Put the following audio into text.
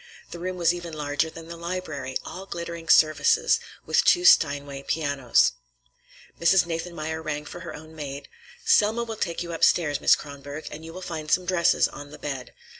The room was even larger than the library, all glittering surfaces, with two Steinway pianos. Mrs. Nathanmeyer rang for her own maid. "Selma will take you upstairs, Miss Kronborg, and you will find some dresses on the bed.